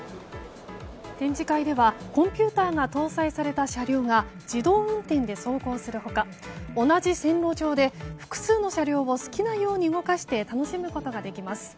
展示会ではコンピューターが搭載された車両が自動運転で走行する他同じ線路上で複数の車両を好きなように動かして楽しむことができます。